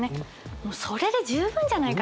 もうそれで十分じゃないかと。